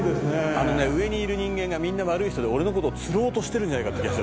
「あのね上にいる人間がみんな悪い人で俺の事を釣ろうとしてるんじゃないかって気が」